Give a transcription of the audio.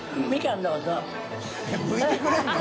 いむいてくれるの？